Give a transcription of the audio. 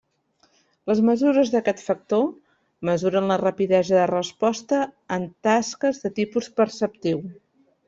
Les mesures d'aquest factor mesuren la rapidesa de resposta en tasques de tipus perceptiu.